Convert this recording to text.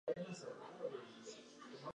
Los galeses en Canadá celebran el Día de St.